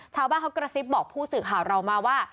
ชาวบ้านเขากระซิบบอกผู้สื่อข่าวเรามาว่า